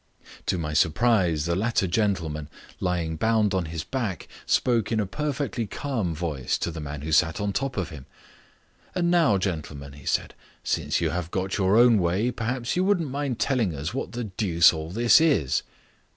To my surprise the latter gentleman, lying bound on his back, spoke in a perfectly calm voice to the man who sat on top of him. "And now, gentlemen," he said, "since you have got your own way, perhaps you wouldn't mind telling us what the deuce all this is?"